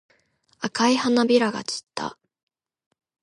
赤い花びらが散った。